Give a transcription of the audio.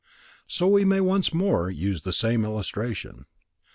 So we may once more use the same illustration.